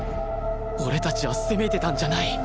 俺たちは攻めてたんじゃない